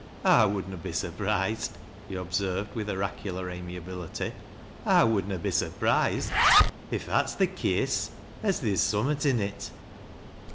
" I would na be surprised," he observed with oraculai amiability. " I would na be surprised — if that's th' case — as theer's summat in it."